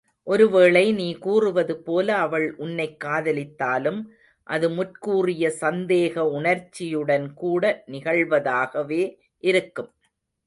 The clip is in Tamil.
ஒருவேளை நீ கூறுவதுபோல அவள் உன்னைக் காதலித்தாலும் அது முற்கூறிய சந்தேக உணர்ச்சியுடன்கூட நிகழ்வதாகவே இருக்கும்.